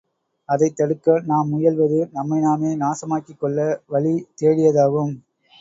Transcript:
அதைத் தடுக்க நாம் முயல்வது நம்மை நாமே நாசமாக்கிக் கொள்ள வழி தேடியதாகும்.